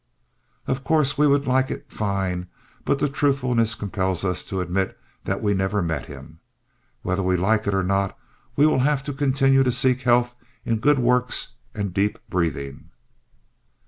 '" Of course, we would like it fine, but truthfulness compels us to admit that we never met him. Whether we like it or not we will have to continue to seek health in good works and deep breathing.